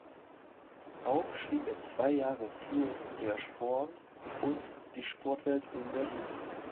Auch schrieb er zwei Jahre für "Der Sporn" und "Die Sportwelt" in Berlin.